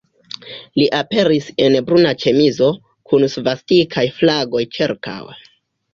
Li aperis en bruna ĉemizo, kun svastikaj flagoj ĉirkaŭe.